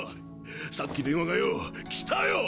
さっき電話がよ来たよ！